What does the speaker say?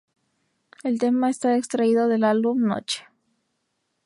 El tema está extraído del álbum Noche.